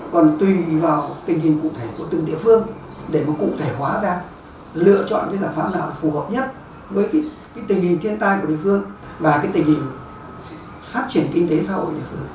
còn tùy vào tình hình cụ thể của từng địa phương để mà cụ thể hóa ra lựa chọn cái giải pháp nào phù hợp nhất với cái tình hình thiên tai của địa phương và cái tình hình phát triển kinh tế xã hội địa phương